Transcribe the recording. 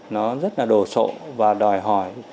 nó rất là đồ sộ và đòi hỏi